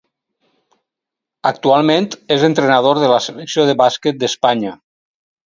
Actualment és entrenador de la Selecció de bàsquet d'Espanya.